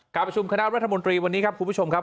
การประชุมคณะรัฐมนตรีวันนี้ครับคุณผู้ชมครับ